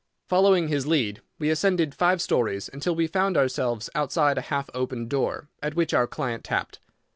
Following his lead, we ascended five stories, until we found ourselves outside a half opened door, at which our client tapped.